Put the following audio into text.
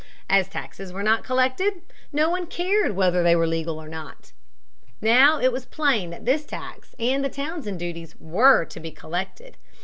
As the taxes were not collected, no one cared whether they were legal or not. Now it was plain that this tax and the Townshend duties were to be collected.